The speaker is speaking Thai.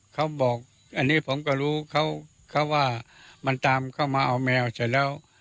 เขาบอกอันนี้ผมก็รู้เขาว่ามันตามเข้ามาเอาแมวเสร็จแล้ว